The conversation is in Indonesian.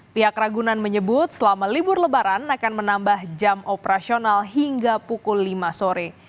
pihak ragunan menyebut selama libur lebaran akan menambah jam operasional hingga pukul lima sore